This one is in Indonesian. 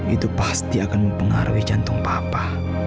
itu pasti akan mempengaruhi jantung papa